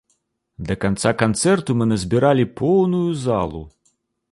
Да канца канцэрту мы назбіралі поўную залу!